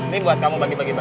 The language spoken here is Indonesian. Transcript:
sini ada jalan tinggalnya